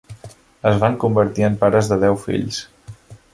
Es van convertir en pares de deu fills.